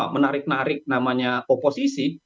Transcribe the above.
menarik narik namanya oposisi